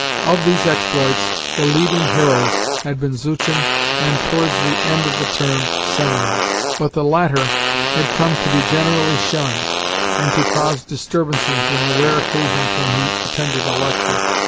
Of these exploits the leading heroes had been Zuchin and, towards the end of the term, Semenoff, but the latter had come to be generally shunned, and to cause disturbances on the rare occasions when he attended a lecture.